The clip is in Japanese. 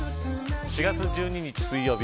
４月１２日水曜日